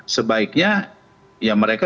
sebaiknya ya mereka